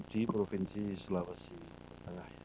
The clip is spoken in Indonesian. di provinsi sulawesi tengah